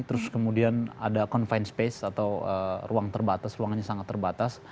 terus kemudian ada confice space atau ruang terbatas ruangannya sangat terbatas